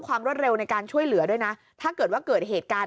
รวดเร็วในการช่วยเหลือด้วยนะถ้าเกิดว่าเกิดเหตุการณ์